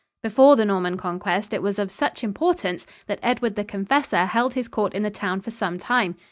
Before the Norman Conquest, it was of such importance that Edward the Confessor held his court in the town for some time.